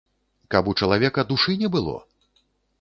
Каб у чалавека душы не было?